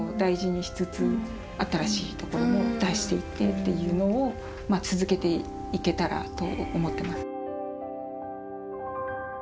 っていうのを続けていけたらと思ってます。